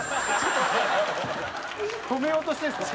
「止めようとしてるんですか？